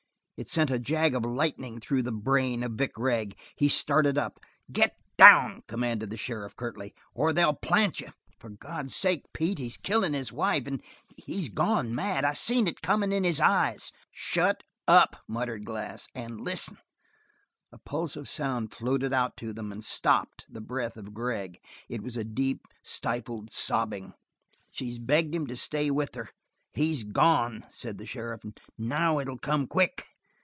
It sent a jag of lightning through the brain of Vic Gregg; he started up. "Get down," commanded the sheriff 'curtly. "Or they'll plant you." "For God's sake, Pete, he's killin' his wife an' he's gone mad I seen it comin' in his eyes!" "Shut up," muttered Glass, "an' listen." A pulse of sound floated out to them, and stopped the breath of Gregg; it was a deep, stifled sobbing. "She's begged him to stay with her; he's gone," said the sheriff. "Now it'll come quick."